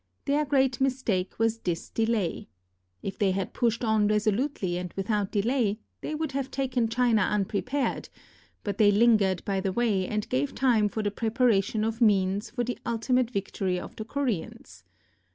Their great mistake was this delay. If they had pushed on resolutely and without delay, they would have taken China unprepared, but they lingered by the way and gave time for the preparation of means for the ultimata victory of the Koreans.